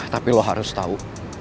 tapi lo harus tau